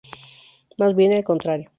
Más bien al contrario.